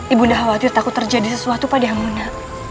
ibu nda khawatir takut terjadi sesuatu pada ibu nda